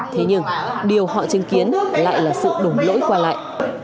thế nhưng điều họ chứng kiến lại là sự đổ lỗi quay lại